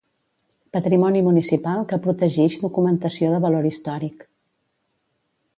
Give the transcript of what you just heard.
Patrimoni municipal que protegix documentació de valor històric.